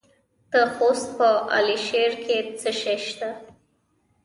د خوست په علي شیر کې څه شی شته؟